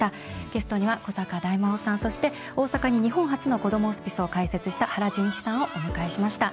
ゲストには古坂大魔王さんそして、大阪に日本初のこどもホスピスを開設した原純一さんをお迎えしました。